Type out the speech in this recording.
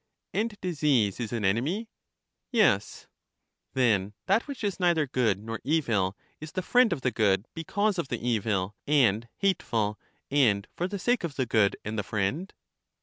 And disease is an enemy? Yes. Then that which is neither good nor evil is the friend of the good because of the evil and hateful, and for the sake of the good and the friend